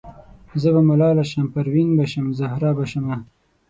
زه به ملاله شم پروین به شم زهره به شمه